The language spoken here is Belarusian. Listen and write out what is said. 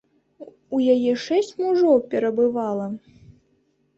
У яе шэсць мужоў перабывала.